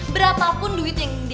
berapapun duit yang kita ambil